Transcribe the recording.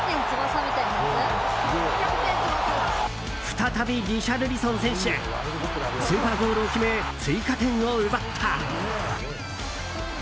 再びリシャルリソン選手スーパーゴールを決め追加点を奪った。